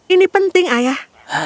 ini penting ayah